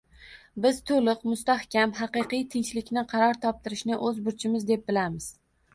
Biz to‘liq, mustahkam, haqiqiy tinchlikni qaror toptirishni o‘z burchimiz deb bilamiz